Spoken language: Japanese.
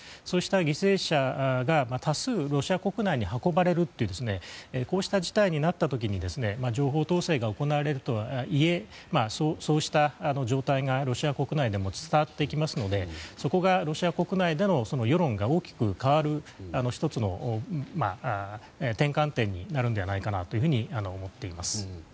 そうした犠牲者が多数ロシア国内に運ばれるというこうした事態になった時に情報統制が行われるとはいえそうした状態がロシア国内でも伝わってきますのでそこがロシア国内での世論が大きく変わる１つの転換点になるのではないかなと思っています。